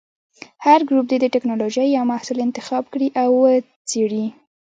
هر ګروپ دې د ټېکنالوجۍ یو محصول انتخاب کړي او وڅېړي.